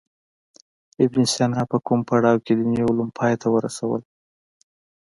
ابن سینا په کوم پړاو کې دیني علوم پای ته ورسول.